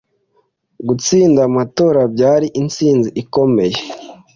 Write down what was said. Gutsinda amatora byari intsinzi ikomeye.